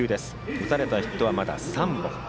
打たれたヒットは、まだ３本。